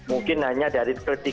mungkin hanya dari